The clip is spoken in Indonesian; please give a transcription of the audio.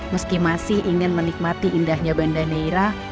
meski masih ingin menikmati indahnya banda neira